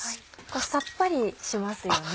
さっぱりしますよね。